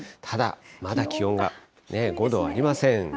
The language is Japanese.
ただ、まだ気温が５度ありません。